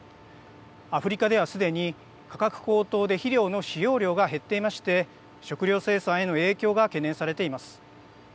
アフリカでは、すでに価格高騰で肥料の使用量が減っていまして食糧生産への影響が懸念されています。